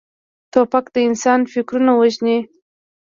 توپک د انسان فکرونه وژني.